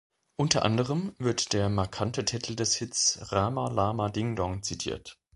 Unter anderem wird der markante Titel des Hits "Rama Lama Ding Dong" zitiert.